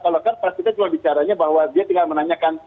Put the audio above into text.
kalau kertas kita cuma bicaranya bahwa dia tinggal menanyakan